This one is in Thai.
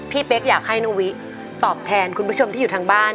เป๊กอยากให้น้องวิตอบแทนคุณผู้ชมที่อยู่ทางบ้าน